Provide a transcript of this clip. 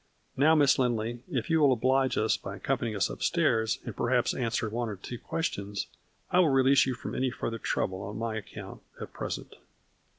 " Now, Miss Lindley, if you will oblige us by accompanying us up stairs, and perhaps answer one or two questions, I will release you from any further trouble on my account at present."